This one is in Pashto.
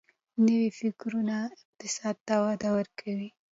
نوي فکرونه اقتصاد ته وده ورکوي.